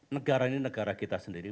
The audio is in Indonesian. negara ini negara kita sendiri